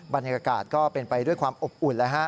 บรรยากาศก็เป็นไปด้วยความอบอุ่นแล้วฮะ